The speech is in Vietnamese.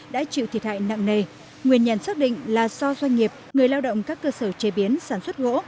đã chịu thiệt hại nặng nề nguyên nhân xác định là do doanh nghiệp người lao động các cơ sở chế biến sản xuất gỗ